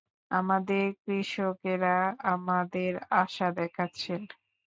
আমাদের কৃষকেরা আমাদের আশা দেখাচ্ছেন।